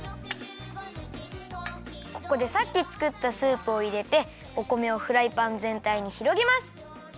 ここでさっきつくったスープをいれてお米をフライパンぜんたいにひろげます。